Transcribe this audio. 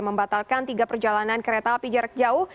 membatalkan tiga perjalanan kereta api jarak jauh